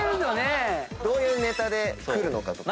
どういうネタでくるかとか。